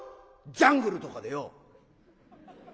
ジャングルとかでよ